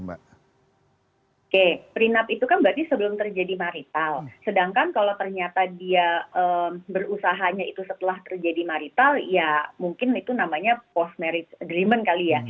oke prenup itu kan berarti sebelum terjadi marital sedangkan kalau ternyata dia berusahanya itu setelah terjadi marital ya mungkin itu namanya post marriage agreement kali ya